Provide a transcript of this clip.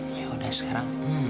ya udah sekarang